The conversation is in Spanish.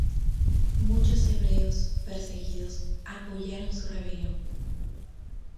Muchos hebreos, perseguidos, apoyaron su rebelión.